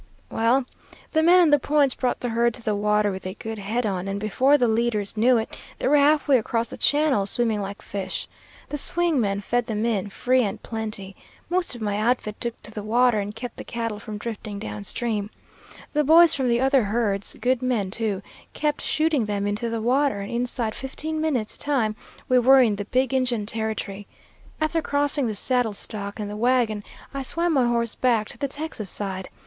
"Well, the men on the points brought the herd to the water with a good head on, and before the leaders knew it, they were halfway across the channel, swimming like fish. The swing men fed them in, free and plenty. Most of my outfit took to the water, and kept the cattle from drifting downstream. The boys from the other herds good men, too kept shooting them into the water, and inside fifteen minutes' time we were in the big Injun Territory. After crossing the saddle stock and the wagon, I swam my horse back to the Texas side.